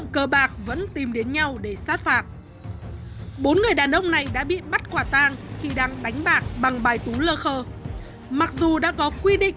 cờ bạc từ lâu